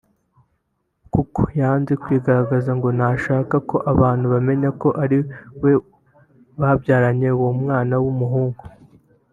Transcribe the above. kuko yanze kwigaragaza ngo ntashaka ko abantu bamenya ko ari we babyaranye uwo mwana w’umuhungu